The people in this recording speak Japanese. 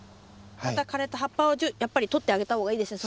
また枯れた葉っぱをやっぱり取ってあげた方がいいですね